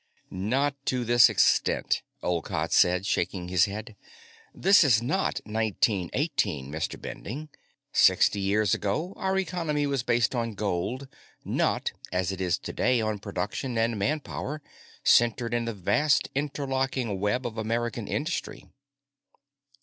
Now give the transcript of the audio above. "Not to this extent," Olcott said, shaking his head. "This is not 1918, Mr. Bending. Sixty years ago, our economy was based on gold, not, as it is today on production and manpower, centered in the vast interlocking web of American industry."